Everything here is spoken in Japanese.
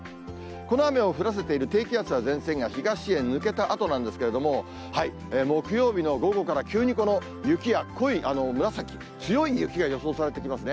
この雨を降らせている低気圧や前線が東へ抜けたあとなんですけど、木曜日の午後から、急にこの雪や、濃い紫、強い雪が予想されてきますね。